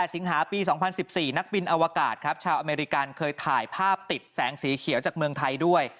สิงหาปี๒๐๑๔นักบินอวกาศครับชาวอเมริกันเคยถ่ายภาพติดแสงสีเขียวจากเมืองไทยด้วย